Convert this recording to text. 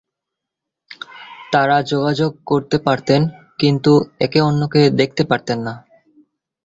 তারা যোগাযোগ করতে পারতেন, কিন্তু একে অন্যকে দেখতে পারতেন না।